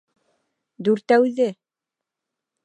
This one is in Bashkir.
Дүртәүҙе!